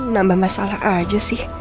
nambah masalah aja sih